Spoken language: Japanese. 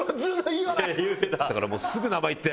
だからもうすぐ名前言って。